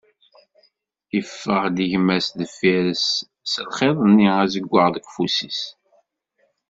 Iffeɣ-d gma-s deffir-s, s lxiḍ-nni azeggaɣ deg ufus-is.